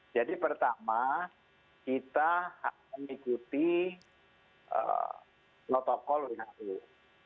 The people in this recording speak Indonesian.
jadi pertama kita harus mengikuti protokol yang dulu